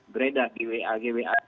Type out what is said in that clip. beredar di wag wag